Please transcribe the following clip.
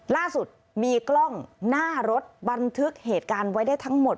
ล่าสุดมีกล้องหน้ารถบันทึกเหตุการณ์ไว้ได้ทั้งหมด